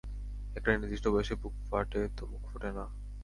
একটা নির্দিষ্ট বয়সে, বুক ফাটে তো মুখ ফুটে না।